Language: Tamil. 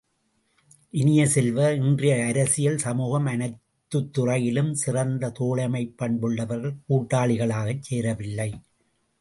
இனிய செல்வ, இன்றைய அரசியல், சமூகம் அனைத்துத் துறையிலும் சிறந்த தோழமைப் பண்புள்ளவர்கள் கூட்டாளிகளாகச் சேரவில்லை.